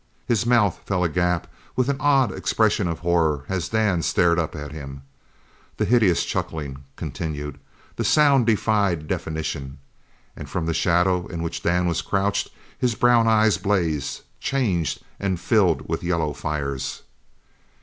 His mouth fell agape with an odd expression of horror as Dan stared up at him. That hideous chuckling continued. The sound defied definition. And from the shadow in which Dan was crouched his brown eyes blazed, changed, and filled with yellow fires.